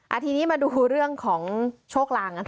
อาทิตย์นี้มาดูเรื่องของโชคลางกันค่ะ